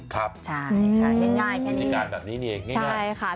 ครับใช่ใช่ง่ายง่ายแค่นี้มิลิการแบบนี้เนี่ยง่ายง่ายใช่ค่ะ